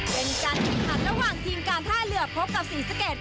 เป็นกันหันระหว่างทีมกลางท่าเหลือพบกับศรีสะเก็ด